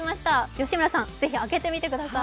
吉村さん、ぜひ開けてみてください。